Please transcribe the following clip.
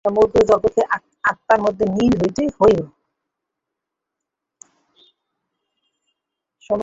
সমগ্র জগৎকে আত্মার মধ্যে লীন হইতে হইবে।